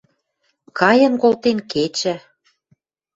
Кайын колтен кечӹ.